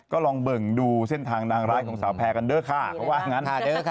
ก็ลองเบิ่งดูเส้นทางนางร้ายของสาวแพรกันด้วยค่ะเขาว่างั้น